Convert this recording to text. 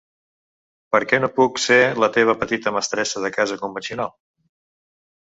Per què no puc ser la teva petita mestressa de casa convencional?